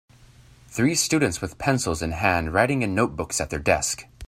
Three students with pencils inhand writing in notebooks at their desks.